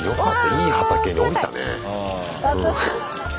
いい畑に降りたねえ。